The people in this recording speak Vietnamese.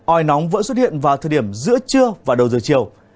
oi nóng vẫn xuất hiện vào thời điểm giữa trưa và đầu giờ chiều